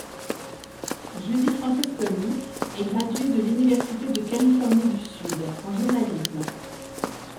Judy Francesconi est graduée de l'Université de Californie du Sud en journalisme.